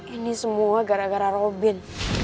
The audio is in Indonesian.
ini semua gara gara robin